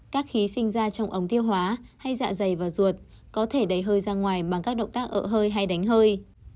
các khí sinh ra trong ống tiêu hóa hay dạ dày và ruột có thể đẩy hơi ra ngoài bằng các động tác ở hơi hay đánh hơi